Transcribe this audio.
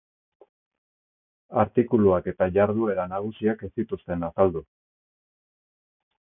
Artikuluak eta jarduera nagusiak ez zituzten azaldu.